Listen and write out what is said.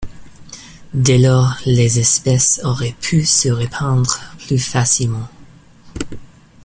Dès lors, les espèces auraient pu se répandre plus facilement.